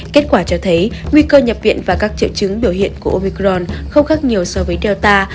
kết quả cho thấy nguy cơ nhập viện và các triệu chứng biểu hiện của oicron không khác nhiều so với delta